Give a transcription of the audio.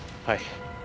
はい。